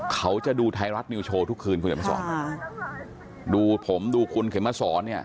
เขาจะดูไทยรัฐมิวโชว์ทุกคืนคุณเขมมะสอน